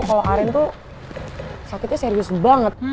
kalo arin tuh sakitnya serius banget